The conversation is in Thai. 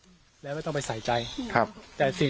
เอาเป็นว่าอ้าวแล้วท่านรู้จักแม่ชีที่ห่มผ้าสีแดงไหม